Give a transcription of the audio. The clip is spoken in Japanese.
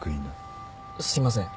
すいません。